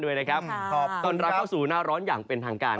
ต้อนรับเข้าสู่หน้าร้อนอย่างเป็นทางการ